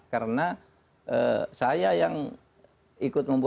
karena saya yang ikut membuat